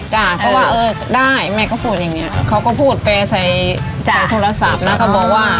จ้ะเพราะว่าเออได้แม่ก็พูดอย่างเงี้ยเขาก็พูดไปใส่โทรศัพท์นะเขาบอกว่า